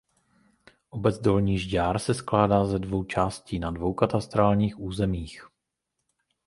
Obec Dolní Žďár se skládá ze dvou částí na dvou katastrálních územích.